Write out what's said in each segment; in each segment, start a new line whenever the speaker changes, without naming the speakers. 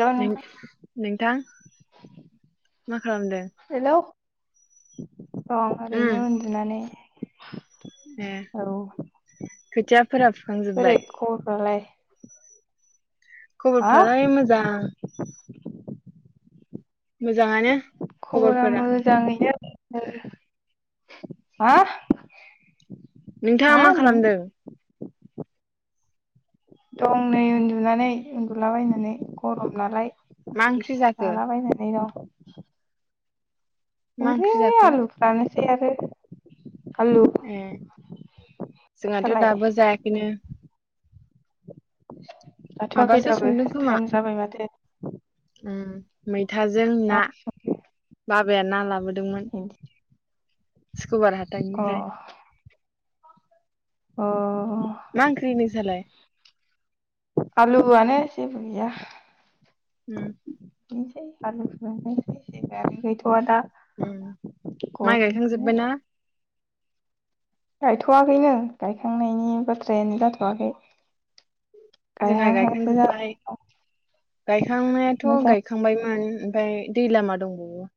Hello नोंथां
नो-नोंथां मा खालामदों?
[inaudible] दं ओरैनो
उम
उन्दुनानै [inaudible]
ए
औ बोरै
खोथियाफोरा फुखांजोबबाय?
खबरफ्रालाय हा
खबरफ्रालाय मोजां। मोजाङानो
खबरा
खबरफोरा
मोजांयै ओ हा
नोंथाङा मा खालामदों?
दं नै उन्दुनानै उन्दुलाबायनानै गरम नालाय।
मा ओंख्रि
गिसिब
जाखो
लाबायायनानै दं।
मा
ग
ओंख्रि जाखो
आलु फानो। ज आरो आलु
ए जोंहाथ'
नोंसालाय
दाबो जायाखैनो
[inaudible] लाथ'आखै
माबासो
दाबो
संदों
थाइम जाबाय माथो? औ
हुम मै थाजों ना
ओंख्रि
बा बे ना लाबो दंमोन स्कुुबार
संखो
हाथनिफ्राय
अ अ
मा ओंख्रि नोंसालाय
आलुआनो जेब गैया।
उम
आलुखौनोसै जेबो गैथ'वा दा
माइ
गरमखाय
गायखांजोब्बायना?
गायथ'वाखैनो गायखांनायनि बाथ्रायानो जाथ'वाखै
जोंहा
गायहांहांसो जाबाय
गायखांजोब्बाय गायखांनायाथ'
मोजां
गायखांबायमोन। ओमफ्राय दै लामा दंबावो।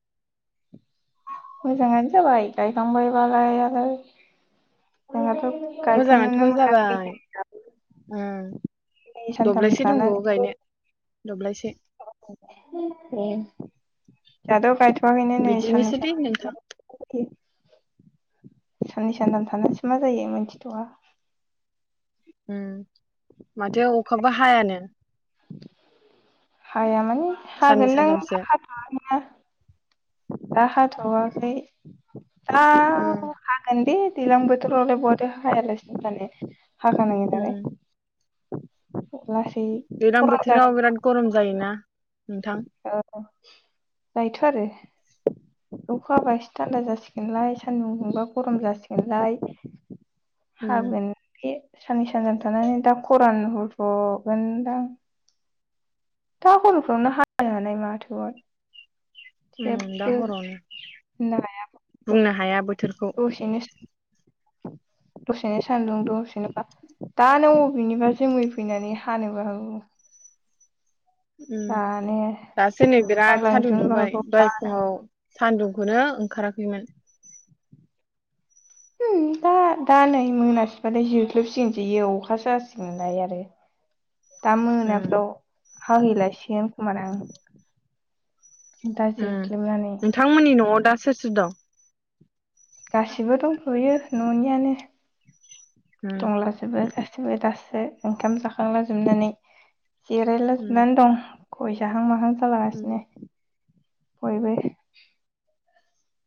मोजाङानो जाबाय गायखांबा बालाय आरो। [unintelligible]
मोजाङाथ'
गायथ'नोनो मोनाखै
जाबाय उम
सानथाम
दब्लायसे दंबावो
थानानै
गायनो दब्लायसे
[inaudible] दाथ गायथ' थ आ खैनो नै साननै
बिदिनोसैलै
सान
नोंथां
[inaudible] सनै सानथाम थानानै मा जायो मोनथिथ'आ
माथो अखाबो हायानो।
हाया मानि
साननै
हागोन दां
सानथामसो
बारा हाथ'आ खैना। दा हाथ'वाखै।
उम
हागोन दे दैलां बोथोरावलाय बहाथो हाया लासिनो थानो हखानांगार [unintelligible]
दैल्लां बोथोराव बिराद गरम जायोना? [unintelligible] [inaudible]
औ जायोथ' आरो । अखा हाबा एसे थान्दा जासिगोनलाय सान्दुं दुंबा गरम जासिगोनलाय ।
उम
हागोन बे साननै सानथाम थानानै दा खरान ग गोनदां। दा हर'फ्रावनो हानो हानाय माथो गथ
ओम दा हरावनो
होननांगौ
बुंनो हाया बोथोरखौ।
दसेनो दसेनो सान्दुं दसेनोबा दानो अबेनिबा जोमै फैनानै हानोबो हागौ।
उम
दानो
दासो नै बिराद सान्दुं
बुस्रांलांजोबनोबो
दुंबाय दहाय
हागौ
फुङाव सान्दुंखौनो ओंखाराखैमोन।
हुम दा दा नै मोनासिबाथाय जोख्लोब सिगोनसो इयो अखासो हासिगोनलाय आरो। दा
उम
मोनाफ्राव हाहै लायसिगोनलाय खोमादां।
उम
दाजिख्लेबनानै
नोंथांमोननि न'आव दा सोर सोर दं?
गासिबो दंथ'यो न'नियानो।
उम
दंलाजोबो गा सिबो दासो ओंखाम जाखांला जोबनानै
उम
जिरायलाजोबनानै दं। गय जाहां माहां जालागासिनो
उम
बयबो।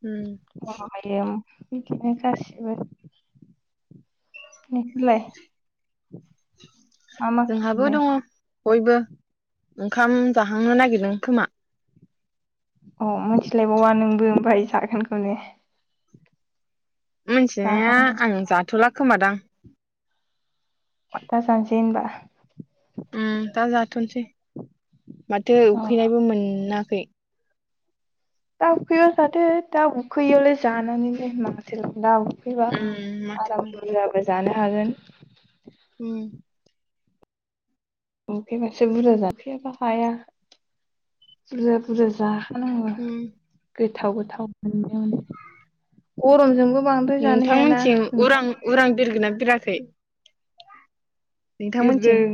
उम
[unintelligible] बिदिनो गासिबो । नोंसोरलाय मा मा
जोंहाबो
खालामदों
दङ बयबो। ओंखाम जाहांनो नागिरदों खोमा।
अ मिथिलायबावा नोंबो ओमफ्राय जागोनखौनो ।
मिथिनाया आं जाथ'ला खोमादां।
अथ दा जानोसै होनबा।
उम दा जाथ'नोसै माथो
अ
उखैनायबो मोनाखै।
दा उखैबा जादो दा उखैयैआवलाय जानानैलाय माथो लाब। उखैबा
उम माथो
आराम बुरजाबो जानो हागोन।
उम
उखैबासो बुरजा जाफैयाबा हाया बुरजा बुरजा जा।
उम।
थाव गोथाव मोननायावनो। अरन जोंबो
नोंथांमोनथिं उरां उरां बिरगोना बिराखै हगार।
बिरदों।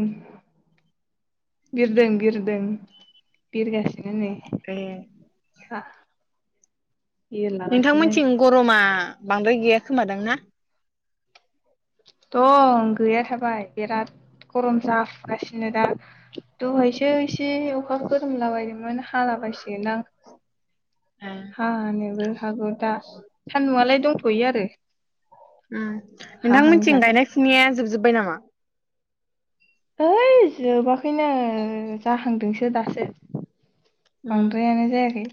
बिरदों बिरदों बिरगासि आनो नै
ए
खा
नोंथांमोनथिं गरमा बांद्राय गैया खोमादां ना?
दं गैयाथाब बाय बेराद गरम जाफुगासिनो दा दहायसो एसे अखा खोरोमलाबायदोंमोन हाला बायसिगोनदां।
ए
हानोबो हौगौ दा सानदुंआलाय दंथ'यो आरो।
उम।
हाहां
नोंथांमोनथिं
जादों
गायनाय फुनाया जोबजोब जोबाय नामा?
ओइ जोबाख बेैनो जाहांदोंसो। दो दासो।
उम
बांद्रायानो जायाखै।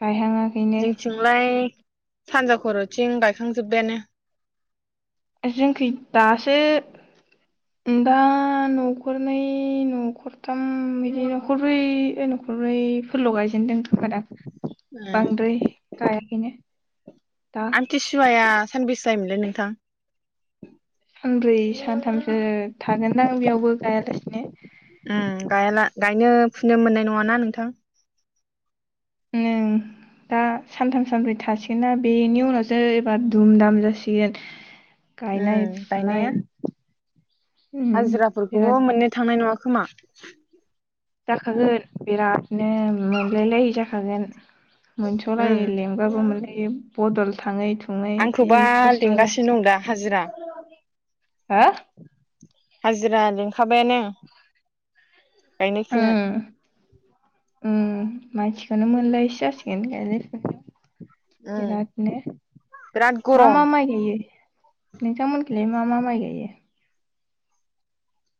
गायहाङाखैनो
जोंथिंलाय सानजाख। खर'थिं गायखांजोबबायानो।
जोंखै दासो दा न'खरनै न'खरथाम बिदि न'खरब्रै न'खरब्रै फोरल' गायजेनदों खोम दां।
ए
बांद्राय गायाखैनो दा।
सानबिस जायोमोनलाय नोंथां?
सानब्रै सानथामसो थागोनदां बेयावबो गायालासिनो।
उम गाया ला गायनो फुनो मोननाय नङाना नोंथां?
[unintelligible] गायनाय
उम
फुनाय।
गायनाया
उम बिराद
हाजिराफोरखौबो मोननो थांनाय नङाख खोमा।
जाखागोन बिरादनो मोनलायलायि जाखागोन।
उम
मोनस'लायै लेंबाबो मोनलायै। बे बदल थाङै थनाय जि
आंखौबा
खस्थ
लिंगासिनो
जासिगोन
दं दा हाजिरा।
हा
हाजिरा खाबायानो।
उम उम मानसिखौनो मोनलायै सो जासिगोन गायनाय फुनायाव।
उम
बिराद नो
बिराद
मा
गरम
मा माइ गायो? नोंथां मोनथिंलाय मा मा माइ गायो?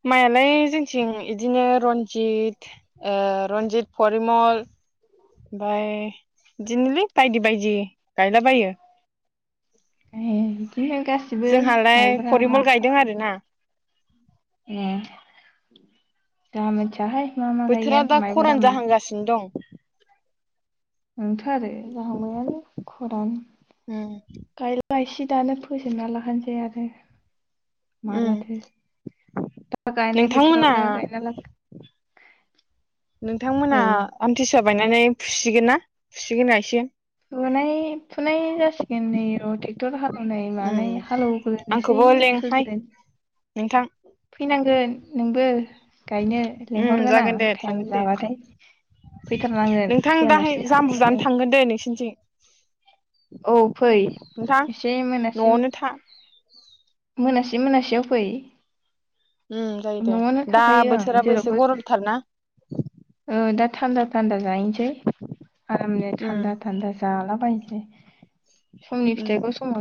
माइआलाय जोंथिं इदिनो रन्जित ओ रन्जित परिमल ओमफाय बिदिनोलै बायदि बायदि गायलाबायो।
ए बि [unintelligible] गासिबो
जोंहालाय
माइब्रा
परिमल
माथा।
गायदों आरोना
ए जाङा मोन्थिया हाय।
बोथोरा दा खरान जाहांगासिनो दं।
नोंथ' आरो जाहांबायानो खरान।
उम
गायसि दानो फोजोबना लाखानसै आरो।
उम
मालाथो गायनाय
नोंथांमोना
बोथोरावनो गायना ला
नोंथांमोना
औ
आमथिसुवा बायनानै फुसिगोन ना फुसिगोन ना इसे?
फुनाय फुनाय जासिगोन नै र' टेक्टर हालौ होनाय मानाय
उम
हालौग्रोनोसै
आंखौबो लेंहाय
खोग्रो
नोंथां
फैनांगोन नोंबो। गायनो
ओम
लिंहरगोन आं
जागोन दे
टाइम
थांगोन दे
जाबाथाय फैथारनांगोन
नोंथां दाहाय
फैयालासिनो थानो
जामबु
मोना
जानो
जों
थांगोन दे नोंसिनिथिं।
औ फै
नोंथां
एसे मोनासि
न'आवनो था
मोनासि मोनासियाव फै।
उम जायो दे
न'आवनो
दा
थाखायो आं
बोथोराबो एसे
जेरावबो
गरमथारना
ओ दा थान्दा थान्दा जाहैनो दे। आरामनो
उम
थान्दा थान्दा जाला बायनोसै।
ओम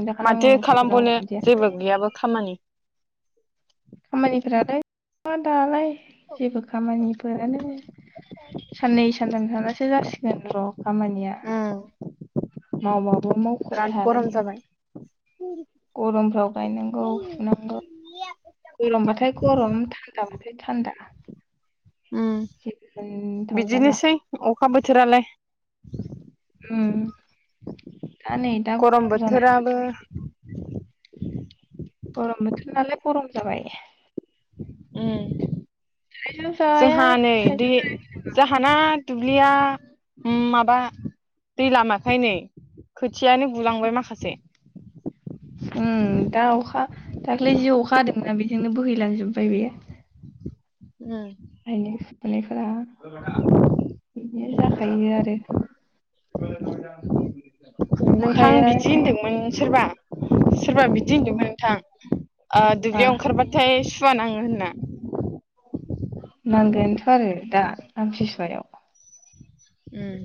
जाखानांगौ
माथो
उनाव
खालामबावनो
मोनजाया
जेबो गैयाबो खामानि।
खामानिफोरालाय। [unintelligible] दालाय जेबो खामानिफोरानो सान्नै सानथाम थानासो जासिगोन र। खामानिया।
उम
माव‌ माव । [unintelligible] मावख'
बिराद गरम
हालायि
जाबाय
गरमफ्राव गायनांगौ फुनांगौ गोलोम बाथाय गरम थान्दा बाथाय थान्दा ।
ओम बिदिनोसै अखा बोथोरालाय‌।
ओम ।
गरम बोथोराबो
गरम बोथोर नालाय गरम जाबाय ।
ओम ।
जाया
जोंहा नै दै
थाइजौ जाया
जाहाना दुब्लिया माबा दै लामाखाय नै खोथियानो गुलांबाय माखासे ।
ओम दा अखा दाख्लै जि अखा हादोंना बेजोंनो बोहैलांजोब उफाय गैया ।
ओम ।
गायनाय सुनाया फोरा बिदिनो जाखायो आरो ।
नोंथां बिदि होनदोंमोन सोरबा सोरबा बिदि होनदोंमोन नोंथां । ओ
मा
दुब्लियाव अओंखारबाथाय सु सुवा नाङो होन्ना ।
नांगोनथ' आरो दा आमथि सुवायाव ।
ओम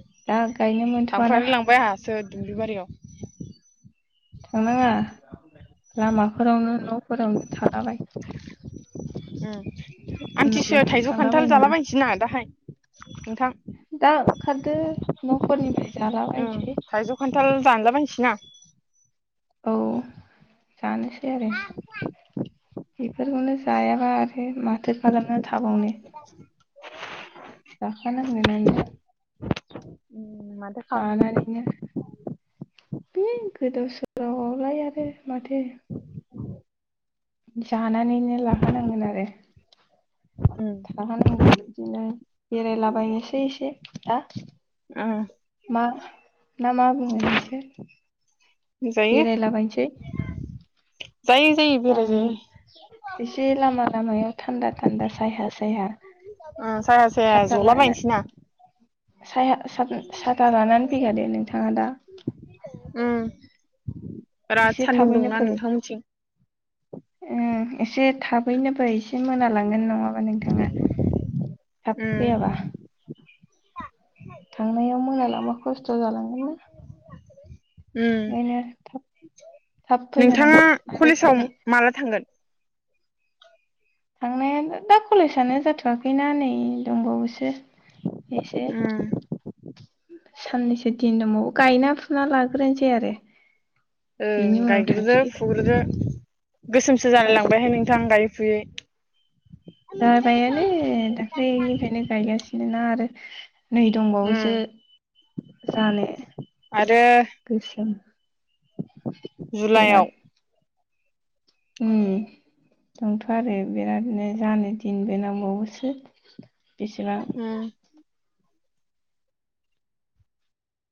मोनथ'वाना
थांफ्रालाय लांबाय आंहासो । दुब्लि बारियाव।
थांनाङा । लामाफोरावनो न' फोरावनो थालाबाय ।
ओम आमथि सुवायाव
मोनला
थाइजौ खान्थाल
थांलाबायनाङा
जालाबायनोसो नाङा दाहाय नोंथां ।
खारदो न'खरनिफ्राय
ओम थाइजौ खान्थाल दानलाबायनोसै ना?
औ । जानोसै आरो बेफोरखौनो जायाबा आरो माथो खालामना
[unintelligible]
जाखा नांगोनानो
माथो खालामबावनो
जानानैनो [unintelligible] गोदाव सो रावआवलाय आरो माथो। निसा लानानैनो लाखानांगोन आरो। थाखा नांगोन बिदिनो बेरायला बायनोसै एसे दा।
ओं।
मा ना मा बुङो नोंसो।
जायो
बेरायलाबायनोसै
जायै जायै बेराय
ओं
जायो
एसे लामा लामायाव थान्दा थान्दा सायहा सायहा
ओ साया साया ज'लाबायनोसै ना?
सायहा साथोन साथा लानानै फैखादो नोंथाङा दा।
[inaudible] बिराद सान्दुं दंना नोंथांमोनथिं?
ओं एसे थाबैनो फै। एसे मोना लांगोन नङाबा नोंथाङा थाब
उम
फैयाबा। थांनायाव मोनालांबा खस्थ' जालांगोन ना।
उम
ओंखायनो थाब थाब
नोंथाङा
फैखानांगोन आरो
कलेजाव
जानाय
माला थांगोन?
थांनायाबो दा कलेजानो जाथ'वाखैना नै दंबावोसो एसे।
उम
साननैसो दिन दंबावो गायना फुना लाग्रोनोसै आरो। बेनि
ओं
उनाव
गायग्रोदो
थांसै
फुग्रोदो गोसोमसो जालाय लांबायहाय
गासिबो
नोंथां गायै फुयै।
जाबायानो दाख्लैनिफ्रायनो गायगासिनो ना आरो नै
उम
दंबावोसो। जानो।
आरो
[inaudible]
जुलाइआव
बिराद उम दंथ' आरो बिरादनो जानो दिनबो नांबावोसो बेसेबां
उम